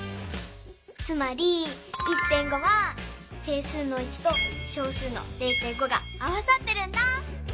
つまり１．５は整数の１と小数の０．５が合わさってるんだ。